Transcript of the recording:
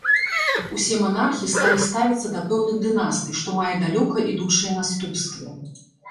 Усе манархі сталі ставіцца да пэўных дынастый, што мае далёка ідучыя наступствы.